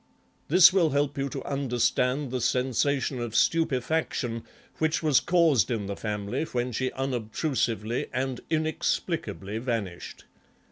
This will help you to understand the sensation of stupefaction which was caused in the family when she unobtrusively and inexplicably vanished.